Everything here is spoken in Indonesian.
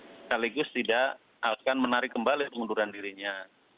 sekaligus tidak akan menarik kembali pengunduran dirinya